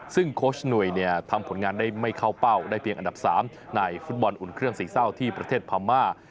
ซึ่งโค้ชหนุ่ยเนี่ยทำผลงานได้ไม่เข้าเป้าได้เพียงอันดับ๓ในฟุตบอลอุ่นเครื่องสี่เศร้าที่ประเทศพม่า